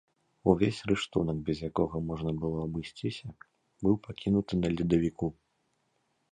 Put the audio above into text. Увесь рыштунак, без якога можна было абысціся, быў пакінуты на ледавіку.